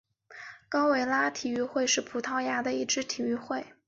高维拿体育会是葡萄牙的一支体育会。